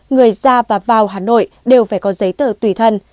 người ra và vào hà nội đều phải có giấy tờ tùy thân